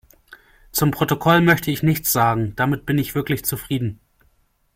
Zum Protokoll möchte ich nichts sagen, damit bin ich wirklich zufrieden.